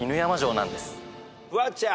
フワちゃん。